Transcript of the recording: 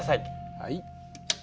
はい。